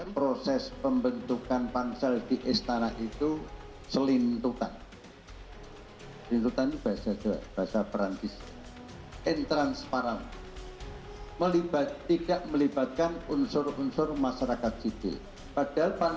proses pembentukan pansel di istana itu selintutan